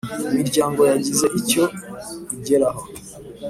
Imiryango yagize icyo igeraho